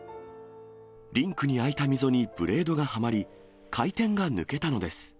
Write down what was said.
リンクにあいた溝にブレードがはまり、回転が抜けたのです。